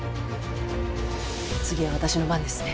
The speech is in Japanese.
次は私の番ですね。